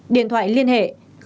điện thoại liên hệ chín mươi